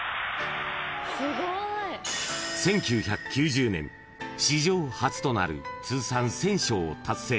すごい！［１９９０年史上初となる通算１，０００勝を達成］